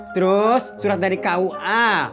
terus surat dari kua